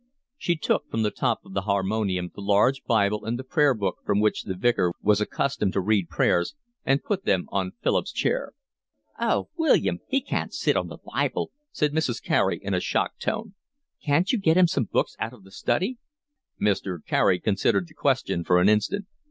She took from the top of the harmonium the large Bible and the prayer book from which the Vicar was accustomed to read prayers, and put them on Philip's chair. "Oh, William, he can't sit on the Bible," said Mrs. Carey, in a shocked tone. "Couldn't you get him some books out of the study?" Mr. Carey considered the question for an instant.